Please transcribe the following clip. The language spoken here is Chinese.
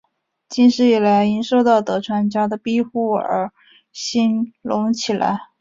近世以来因受到德川家的庇佑而兴隆起来。